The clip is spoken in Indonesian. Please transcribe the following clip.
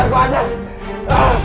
buruan aku haus